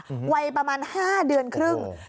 อืมวัยประมาณห้าเดือนครึ่งโอ้โห